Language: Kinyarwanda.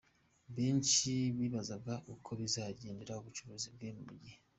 Benshi bibazaga uko bizagendekera ubucuruzi bwe mu gihe.